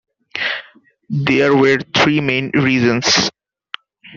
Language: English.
There were three main reasons.